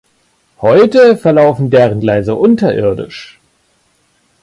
Heute verlaufen deren Gleise unterirdisch.